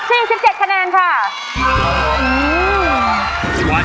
เปิดค่ะ๑๕คะแนนรวมทั้งหมดนะคะน้องขตาเยอะไป๔๗คะแนนค่ะ